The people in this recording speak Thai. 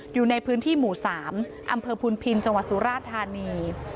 อยู่ในพื้นที่หมู่๓อำเภอพุนพินจังหวัดสุราธานี